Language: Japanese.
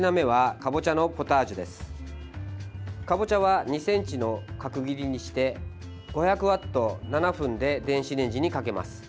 かぼちゃは２ｃｍの角切りにして５００ワット７分で電子レンジにかけます。